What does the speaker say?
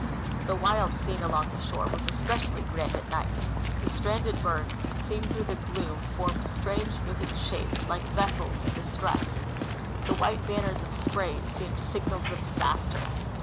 The wild scene along the shore was especially grand at night. The stranded bergs, seen through the gloom, formed strange moving shapes, like vessels in distress. The Avhite banners of spray seemed signals of disaster.